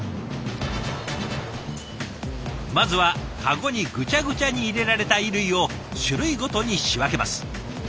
まずはカゴにぐちゃぐちゃに入れられた衣類を種類ごとに仕分けます。